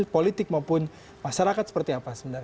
politik maupun masyarakat seperti apa sebenarnya